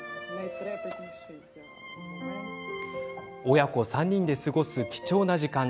親子３人で過ごす貴重な時間。